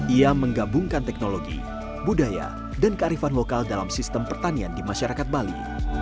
ia menggabungkan teknologi budaya dan kearifan lokal dalam sistem pertanian di masyarakat bali